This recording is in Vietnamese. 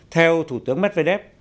theo thủ tướng medvedev